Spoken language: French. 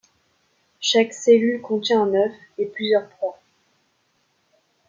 Chaque cellule contient un œuf et plusieurs proies.